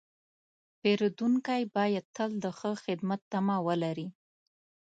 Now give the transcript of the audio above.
پیرودونکی باید تل د ښه خدمت تمه ولري.